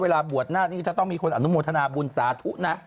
เวลาบวชหน้านี้ก็จะต้องมีคนอนุโมทนาบุญสาธุนะ